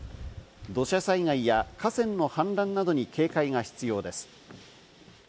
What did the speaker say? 土砂災害や河川の氾濫などに警戒が必要です。